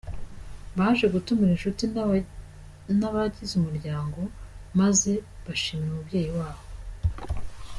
Baje gutumira inshuti n’abagize umuryango maze bashimira umubyeyi wabo.